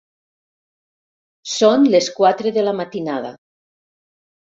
Són les quatre de la matinada.